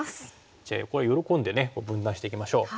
じゃあここは喜んで分断していきましょう。